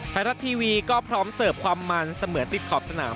ไทยรัฐทีวีก็พร้อมเสิร์ฟความมันเสมือนติดขอบสนาม